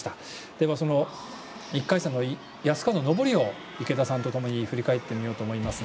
では、その１回戦の安川の登りを池田さんとともに振り返ってみようと思います。